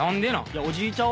おじいちゃん